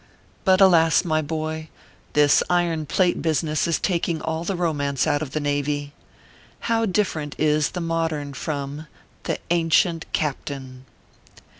But, alas ! my boy, this iron plate business is tak ing all the romance out of the navy. How different is the modern from THE ANCIENT CAPTAIN.